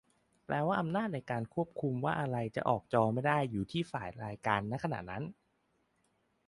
แปลว่าอำนาจในการคุมว่าอะไรจะออกจอไม่ได้อยู่ที่ฝ่ายรายการ ณ ขณะนั้น ?